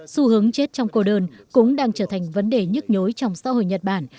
xu hướng chết trong cô đơn cũng đang trở thành vấn đề nhức nhối trong xã hội nhật bản